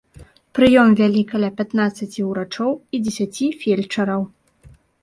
Прыём вялі каля пятнаццаці ўрачоў і дзесяці фельчараў.